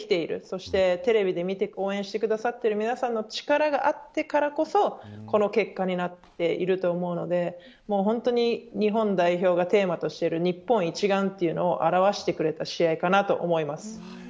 そしてテレビで見て応援してくださっている皆さんの力があってからこそこの結果になっていると思うので日本代表がテーマとしている日本一丸というのを表してくれた試合かなと思います。